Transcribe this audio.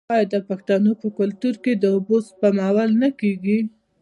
آیا د پښتنو په کلتور کې د اوبو سپمول نه کیږي؟